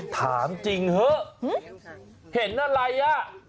ถามจริงเถอะเห็นอะไรอ่ะ